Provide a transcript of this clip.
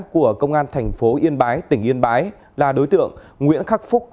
của công an thành phố yên bái tỉnh yên bái là đối tượng nguyễn khắc phúc